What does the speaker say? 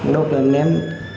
đột lần ném